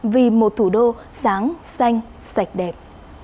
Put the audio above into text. vì một thủ đô sáng xanh sạch đẹp